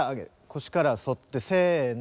腰から反ってせの！